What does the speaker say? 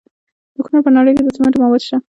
د کونړ په ناړۍ کې د سمنټو مواد شته.